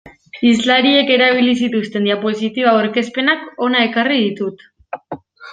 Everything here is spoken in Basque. Hizlariek erabili zituzten diapositiba aurkezpenak hona ekarri ditut.